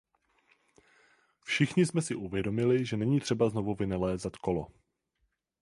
Všichni jsme si uvědomili, že není třeba znovu vynalézat kolo.